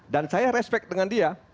dan saya respect dengan dia